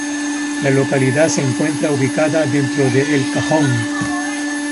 La localidad se encuentra ubicada dentro de El Cajón.